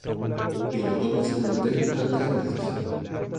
En la rotonda se unen tres importantes avenidas.